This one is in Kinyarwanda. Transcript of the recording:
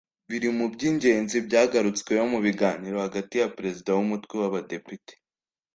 biri mu by’ingenzi byagarutsweho mu biganiro hagati ya Perezida w’Umutwe w’Abadepite